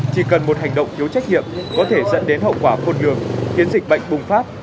chỉ cần một hành động thiếu trách nhiệm có thể dẫn đến hậu quả khôn lường khiến dịch bệnh bùng phát